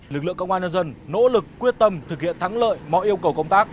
lực lượng công an nhân dân nỗ lực quyết tâm thực hiện thắng lợi mọi yêu cầu công tác